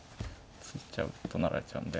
突いちゃうと成られちゃうんで。